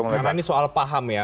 karena ini soal paham ya pak